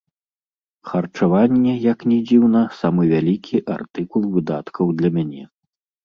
Харчаванне, як ні дзіўна, самы вялікі артыкул выдаткаў для мяне.